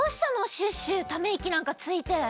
シュッシュためいきなんかついて。